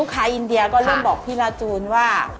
ใครอินเดียก็เริ่มบอกพี่ลาจูนว่า